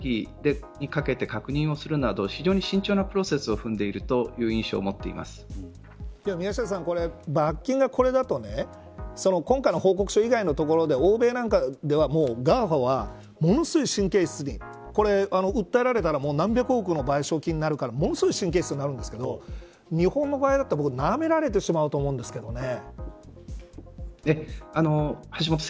ただ経産省は有識者会議にかけて確認するなど非常に慎重なプロセスを踏んでいるという印象を宮下さん、罰金がこれだと今回の報告書以外のところで欧米なんかではＧＡＦＡはものすごい神経質に訴えられたら何百億の賠償金になるからものすごく神経質になるんですけど日本の場合だったらなめられてしまうと思うんですけどね。